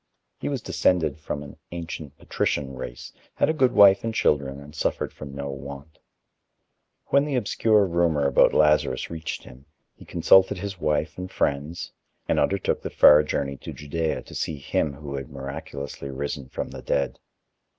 He was descended from an ancient patrician race, had a good wife and children, and suffered from no want. When the obscure rumor about Lazarus reached him, he consulted his wife and friends and undertook the far journey to Judea to see him who had miraculously risen from the dead.